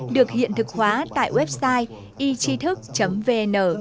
được hiện thực hóa tại website